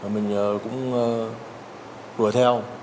mình cũng hửa theo